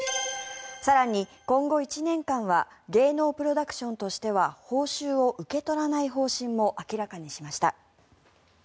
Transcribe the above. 更に、今後１年間は芸能プロダクションとしては報酬を受け取らない方針も明らかにしました。